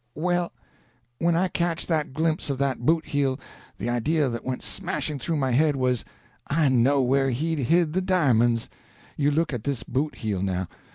"Well, when I catched that glimpse of that boot heel, the idea that went smashing through my head was, I know where he's hid the di'monds! You look at this boot heel, now.